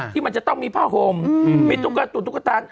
ที่มันจะต้องมีผ้าห่มมีตุ๊กกะตุ๋นตุ๊กกะตา